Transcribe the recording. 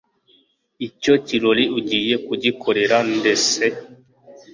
Icyo kirori ugiye kugikorera nde se?